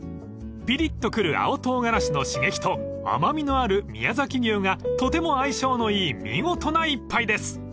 ［ぴりっとくる青トウガラシの刺激と甘味のある宮崎牛がとても相性のいい見事な一杯です］